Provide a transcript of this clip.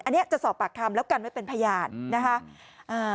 อันนี้จะสอบปากคำแล้วกันไว้เป็นพยานนะคะ